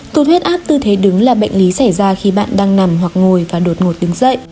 tụt huyết áp tư thế đứng là bệnh lý xảy ra khi bạn đang nằm hoặc ngồi và đột ngột đứng dậy